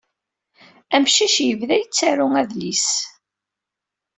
Amcic yebda yettaru adlis.